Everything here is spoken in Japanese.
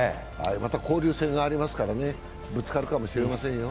また交流戦がありますからぶつかるかもしれませんよ。